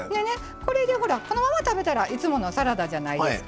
このまま食べたらいつものサラダじゃないですか。